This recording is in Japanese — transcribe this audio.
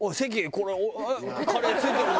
これカレー付いてるぞ！」